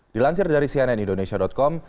dilansir dari cnn indonesia com